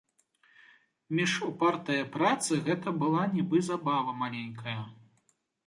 Між упартае працы гэта была нібы забава маленькая.